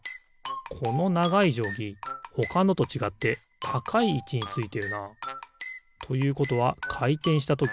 このながいじょうぎほかのとちがってたかいいちについてるな。ということはかいてんしたとき